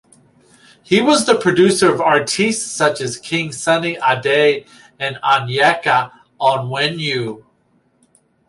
He was the producer of artistes such as King Sunny Ade and Onyeka Onwenu.